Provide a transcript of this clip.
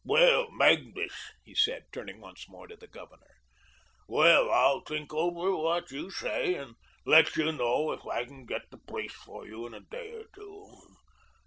Well, Magnus," he said, turning once more to the Governor. "Well, I'll think over what you say, and let you know if I can get the place for you in a day or two.